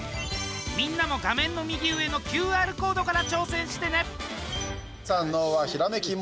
みんなも画面の右上のＱＲコードから挑戦してね！